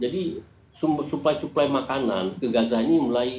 jadi sumber suplai suplai makanan ke gaza ini mulai